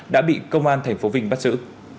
đã bị công an tp vinh bắt giữ